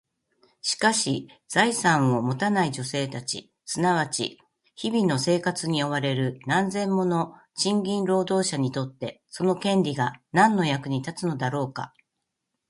しかし、財産を持たない女性たち、すなわち日々の生活に追われる何千人もの賃金労働者にとって、その権利が何の役に立つのだろうか？